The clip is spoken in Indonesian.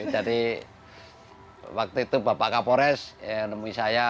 jadi waktu itu bapak kapolres yang menemui saya